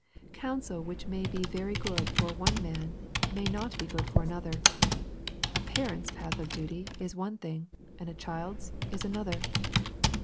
Counsel which may be very good for one uan, may not b« good for another. A parent's path of duty is one thing, and a child's is another.